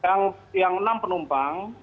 terus yang enam penumpang